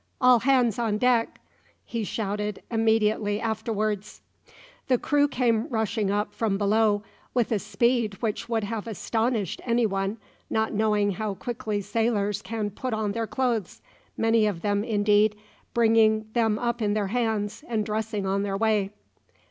All hands on deck!" he shouted immediately afterwards. The crew came rushing up from below with a speed which would have astonished any one not knowing how quickly sailors can put on their clothes, many of them, indeed, bringing them up in their hands and dressing on their way.